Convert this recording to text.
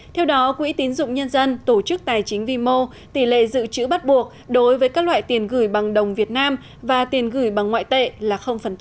theo đó quỹ tín dụng nhân dân tổ chức tài chính vimo tỷ lệ dự trữ bắt buộc đối với các loại tiền gửi bằng đồng việt nam và tiền gửi bằng ngoại tệ là